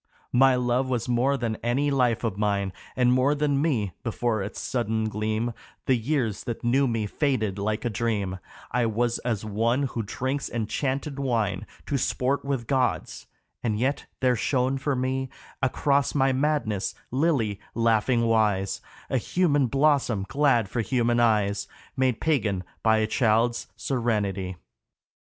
My love was more than any life of mine And more than me, before its sudden gleam The years that knew me faded like a dream, I was as one who drinks enchanted wine To sport with gods ; and yet there shone for me Across my madness, Lily, laughingwise, A human blossom glad for human eyes, Made pagan by a child's serenity.